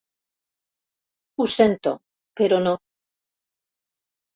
Ho sento, però no.